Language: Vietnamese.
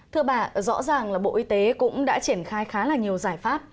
thưa bà rõ ràng là bộ y tế cũng đã triển khai khá là nhiều giải pháp